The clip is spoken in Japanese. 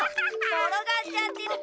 ころがっちゃってるじゃない。